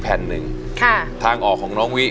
ฟังแทนเนี่ย